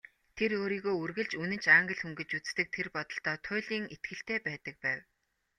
Тэр өөрийгөө үргэлж үнэнч Англи хүн гэж үздэг, тэр бодолдоо туйлын итгэлтэй байдаг байв.